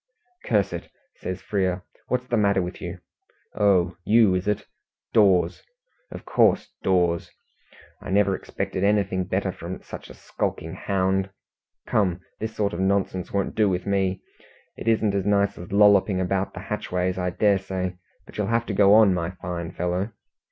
"Curse it!" says Frere, "What's the matter with you? Oh, you, is it? Dawes! Of course, Dawes. I never expected anything better from such a skulking hound. Come, this sort of nonsense won't do with me. It isn't as nice as lolloping about the hatchways, I dare say, but you'll have to go on, my fine fellow."